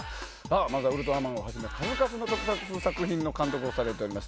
まずは「ウルトラマン」をはじめ数々の特撮作品の監督をされています